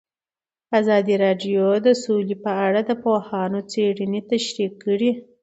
ازادي راډیو د سوله په اړه د پوهانو څېړنې تشریح کړې.